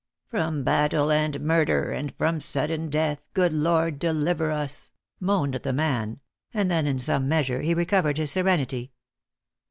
"'From battle and murder, and from sudden death, good Lord, deliver us,'" moaned the man; and then in some measure he recovered his serenity.